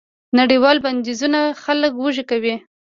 نړیوال بندیزونه خلک وږي کوي.